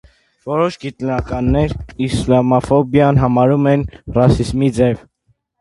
Որոշ գիտնականներ իսլամաֆոբիան համարում են ռասիզմի ձև։